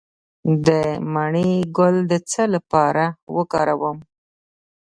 د مڼې ګل د څه لپاره وکاروم؟